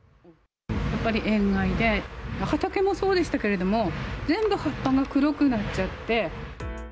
やっぱり塩害で、畑もそうでしたけれども、全部葉っぱが黒くなっちゃって。